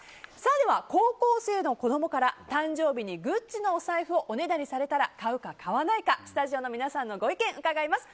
では高校生の子供から誕生日にＧＵＣＣＩのお財布をおねだりされたら買うか買わないかスタジオの皆さんのご意見伺います。